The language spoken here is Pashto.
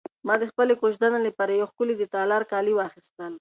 ما د خپلې کوژدنې لپاره یو ښکلی د تالار کالي واخیستل.